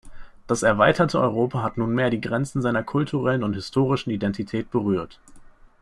Das erweiterte Europa hat nunmehr die Grenzen seiner kulturellen und historischen Identität berührt.